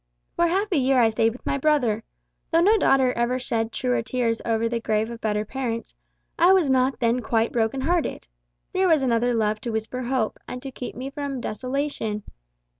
"For half a year I stayed with my brother. Though no daughter ever shed truer tears over the grave of better parents, I was not then quite broken hearted. There was another love to whisper hope, and to keep me from desolation.